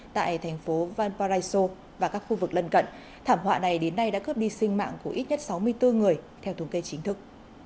tại thành phố vanparaiso và các khu vực lân cận thảm họa này đến nay đã cướp đi sinh mạng của ít nhất sáu mươi bốn người theo thống kê chính thức